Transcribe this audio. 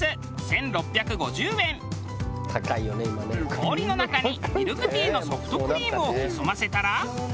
氷の中にミルクティーのソフトクリームを潜ませたら。